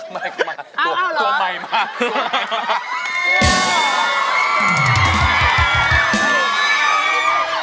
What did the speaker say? ไม่ตัวใหม่มาก